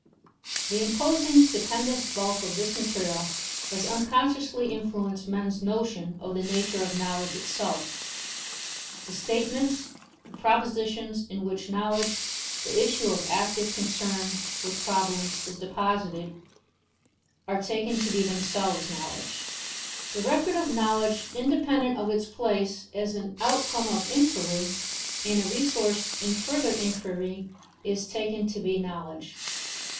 The imposing stupendous bulk of this material has unconsciously influenced men's notions of the nature of knowledge itself. The statements, the propositions, in which knowledge, the issue of active concern with problems, is deposited, are taken to be themselves knowledge. The record of knowledge, independent of its place as an outcome of inquiry and a resource in further inquiry, is taken to be knowledge.